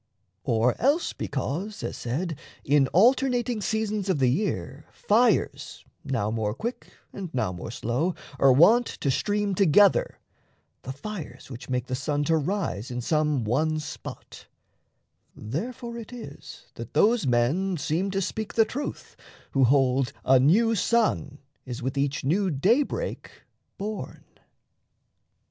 Or else because, as said, In alternating seasons of the year Fires, now more quick, and now more slow, are wont To stream together, the fires which make the sun To rise in some one spot therefore it is That those men seem to speak the truth [who hold A new sun is with each new daybreak born].